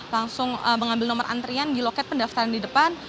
langsung mengambil nomor antrian diloket pendaftaran di depan